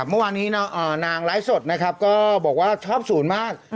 เมื่อวานนี้นางไลฟ์สดนะครับก็บอกว่าชอบศูนย์มาก